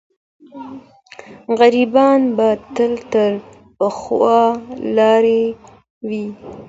غریبان به تل تر پښو لاندې وي.